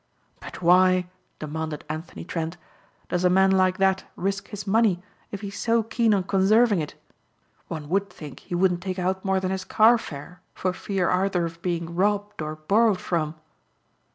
"But why," demanded Anthony Trent, "does a man like that risk his money if he's so keen on conserving it? One would think he wouldn't take out more than his car fare for fearing either of being robbed or borrowed from."